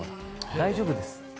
大丈夫ですって。